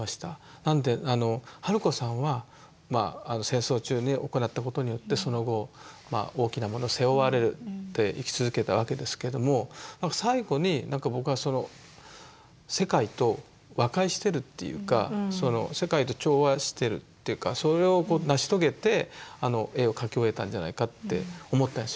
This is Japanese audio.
なので春子さんは戦争中におこなったことによってその後大きなものを背負われて生き続けたわけですけども最後になんか僕はその世界と和解してるっていうか世界と調和してるっていうかそれを成し遂げてあの絵を描き終えたんじゃないかって思ったりします。